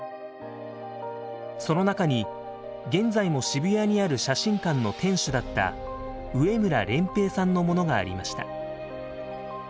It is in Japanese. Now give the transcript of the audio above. その中に現在も渋谷にある写真館の店主だった植村漣平さんのものがありました。